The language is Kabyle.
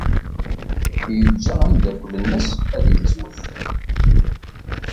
Yeǧǧa ameddakel-nnes ad yettwet.